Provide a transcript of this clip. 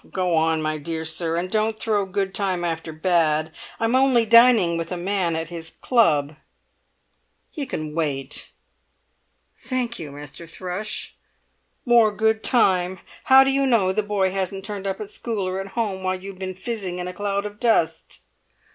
"Go on, my dear sir, and don't throw good time after bad. I'm only dining with a man at his club. He can wait." "Thank you, Mr. Thrush." "More good time! How do you know the boy hasn't turned up at school or at home while you've been fizzing in a cloud of dust?"